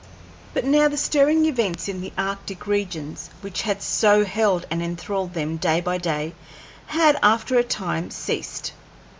But now the stirring events in the arctic regions which had so held and enthralled them day by day had, after a time, ceased.